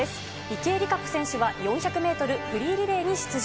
池江璃花子選手は４００メートルフリーリレーに出場。